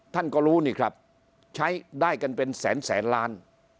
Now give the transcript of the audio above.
ท่านก็รู้นี่ครับใช้ได้กันเป็นแสนแสนล้าน